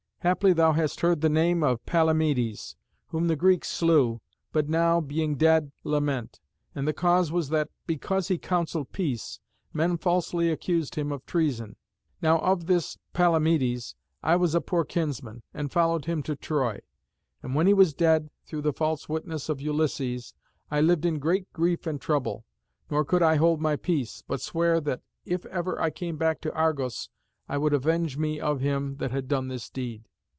Haply thou hast heard the name of Palamedes, whom the Greeks slew, but now, being dead, lament; and the cause was that, because he counselled peace, men falsely accused him of treason. Now, of this Palamedes I was a poor kinsman, and followed him to Troy. And when he was dead, through the false witness of Ulysses, I lived in great grief and trouble, nor could I hold my peace, but sware that if ever I came back to Argos I would avenge me of him that had done this deed.